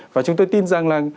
và chúng tôi tin rằng là